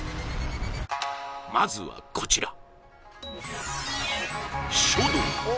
まずはこちら、書道。